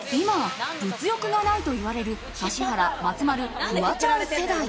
今、物欲がないといわれる指原・松丸・フワちゃん世代。